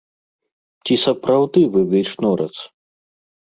Ці сапраўдны вы вейшнорац?